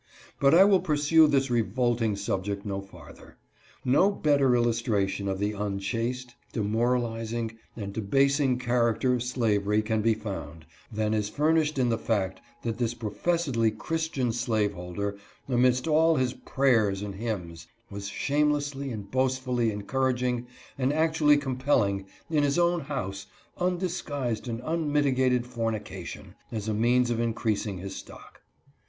But I will pursue this revolting subject no farther. No better illustration of the unchaste, demoralizing, and de basing character of slavery can be found, than is fur nished in the fact that this professedly Christian slave holder, amidst all his prayers and hymns, was shamelessly and boastfully encouraging and actually compelling, in his own house, undisguised and unmitigated fornication, as a means of increasing his stock.